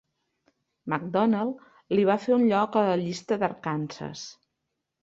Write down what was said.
McDonnell li va fer un lloc a la llista d'Arkansas.